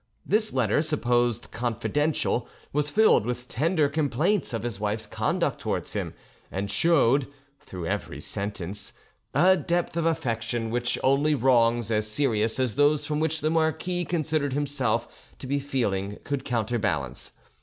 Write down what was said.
This letter, supposed confidential, was filled with tender complaints of his wife's conduct towards him, and showed, through every sentence, a depth of affection which only wrongs as serious as those from which the marquis considered himself to be feeling could counterbalance.